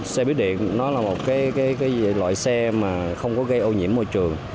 xe buýt điện nó là một loại xe mà không có gây ô nhiễm môi trường